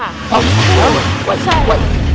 เอาทีหรอ